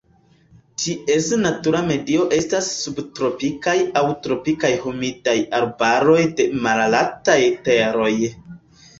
Ties natura medio estas subtropikaj aŭ tropikaj humidaj arbaroj de malaltaj teroj.